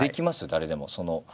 誰でも。